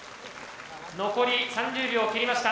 残り３０秒切りました。